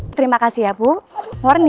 terima kasih ya bu morning